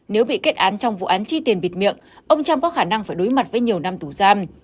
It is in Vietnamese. nếu bị kết án trong vụ án chi tiền bịt miệng ông trump có khả năng phải đối mặt với nhiều năm tù giam